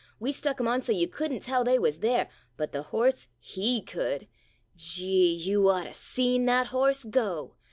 We stuck 'em on so you could n't tell they wuz there — but the horse he could. Gee! you ought to seen that horse go